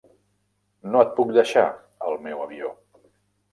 No et puc deixar el meu avió.